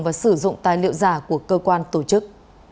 và sử dụng tài liệu giả của cơ quan tổ chức